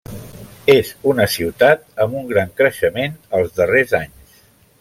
És una ciutat amb un gran creixement als darrers anys.